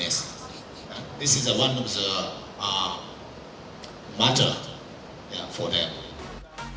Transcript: ini adalah salah satu masalah untuk mereka